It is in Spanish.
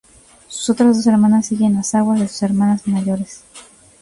Sus otras dos hermanas siguen las aguas de sus hermanas mayores.